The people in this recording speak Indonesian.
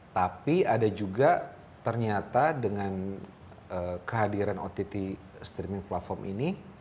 tapi ada juga ternyata dengan kehadiran ott streaming platform ini